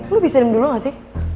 lo bisa dim dulu gak sih